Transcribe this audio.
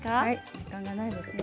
時間がないですね。